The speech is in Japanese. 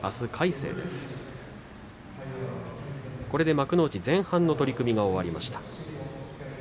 幕内前半の取組が終わりました。